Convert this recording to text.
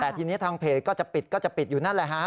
แต่ทีนี้ทางเพจก็จะปิดก็จะปิดอยู่นั่นแหละฮะ